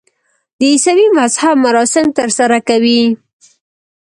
د عیسوي مذهب مراسم ترسره کوي.